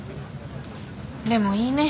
でもいいね。